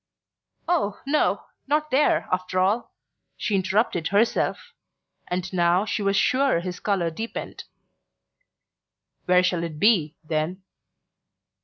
"Oh, no, not there, after all!" she interrupted herself; and now she was sure his colour deepened. "Where shall it be, then?"